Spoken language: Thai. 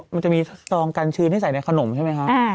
มันจะมีซองกันชื้นที่ใส่ในขนมใช่ไหมคะ